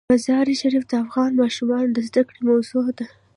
مزارشریف د افغان ماشومانو د زده کړې موضوع ده.